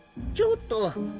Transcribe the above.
ちょっと！